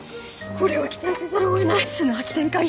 これは期待せざるを得ない。